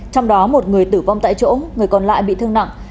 trong đó một người tử vong tại chỗ người còn lại bị thương nặng